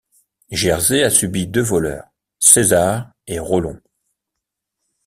Jersey a subi deux voleurs, César et Rollon.